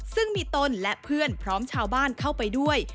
ซึ่งมีตนและเพื่อนพร้อมชาวบ้านเข้าไปด้วย